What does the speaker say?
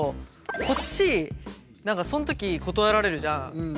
こっち何かそん時断られるじゃん。